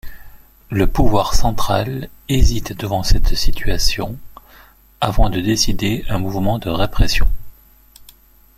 Le pouvoir central hésite devant cette situation, avant de décider un mouvement de répression.